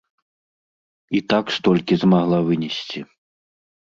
І так столькі змагла вынесці.